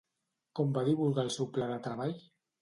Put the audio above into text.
Com va divulgar el seu pla de treball?